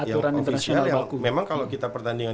aturan internasional yang memang kalau kita pertandingan